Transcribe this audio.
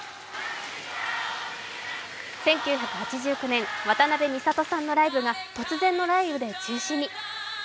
１９８９年、渡辺美里さんのライブが突然の雷雨で中止に。